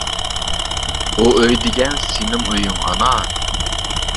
ئۇ ئۆي دېگەن سېنىڭ ئۆيۈڭ، ئانا!